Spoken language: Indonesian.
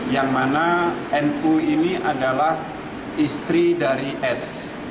yang mana nu ini adalah istri dari s